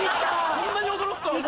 そんなに驚くとは。